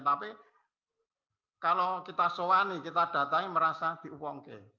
tapi kalau kita sewani kita datang merasa di uongke